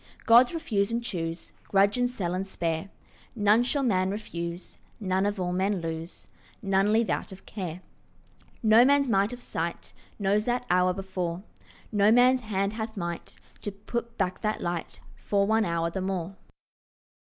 Gods refuse and choose, Grudge and sell and spare; None shall man refuse, None of all men lose, None leave out of care. No man's might of sight Knows that hour before; No man's hand hath might To put back that light For one hour the more.